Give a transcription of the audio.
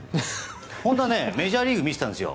本当はメジャーリーグ見てたんですよ。